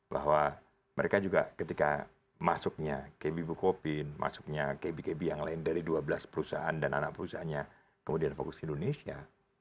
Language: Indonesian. bahwa mereka juga ketika masuknya kb bukopin masuknya kb kb yang lain dari dua belas perusahaan dan anak perusahaannya kemudian fokus ke indonesia